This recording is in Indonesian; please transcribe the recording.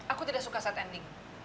aku tidak suka set ending